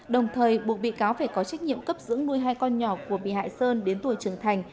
đồng thời buộc bị cáo phải có trách nhiệm cấp dưỡng nuôi hai con nhỏ của bị hại sơn đến tuổi trưởng thành